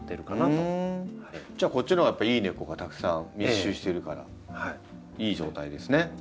じゃあこっちのほうがやっぱりいい根っこがたくさん密集してるからいい状態ですね。